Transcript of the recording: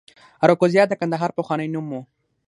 اراکوزیا د کندهار پخوانی نوم و